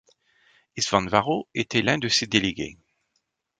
István Varró était l'un de ces délégués.